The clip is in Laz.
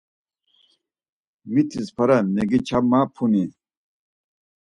Mitis para megiçamapuni?